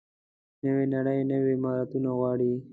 نوې نړۍ نوي مهارتونه غواړي.